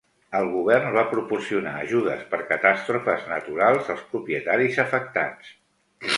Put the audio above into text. El govern va proporcionar ajudes per catàstrofes naturals als propietaris afectats.